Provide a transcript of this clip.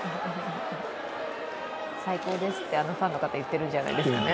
最高ですって、あのファンの方言ってるんじゃないですかね。